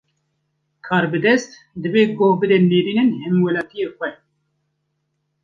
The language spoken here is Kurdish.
Karbidest, divê guh bide nêrînin hemwelatiyê xwe